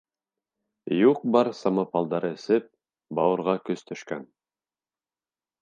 — Юҡ-бар самопалдар эсеп, бауырға көс төшкән.